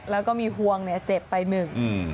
แล้วก็มีหวงเจ็บไปหนึ่ง